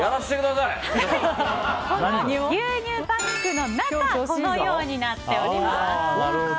この牛乳パックの中はこのようになっております。